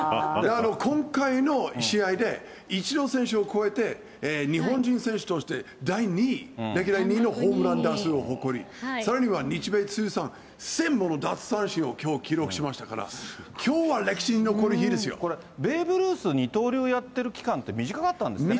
今回の試合で、イチロー選手を超えて、日本人選手として第２位、歴代２位のホームラン打数を誇り、さらには日米通算１０００もの奪三振をきょう、記録しましたから、これ、ベーブ・ルース、二刀流やってる期間って短かったんですね。